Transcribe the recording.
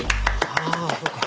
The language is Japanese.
ああそうか。